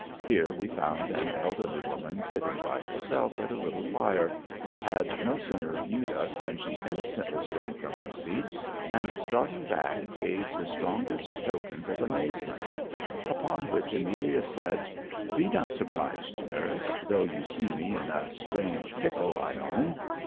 Here we found an elderly woman sitting by herself at a little fire, who had no sooner viewed us than she instantly sprung from her seat, and starting back gave the strongest tokens of amazement; upon which Amelia said, 'Be not surprised, nurse, though you see me in a strange pickle, I own.